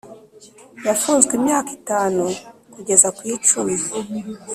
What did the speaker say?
Yafunzwe imyaka itanu kugeza ku icumi.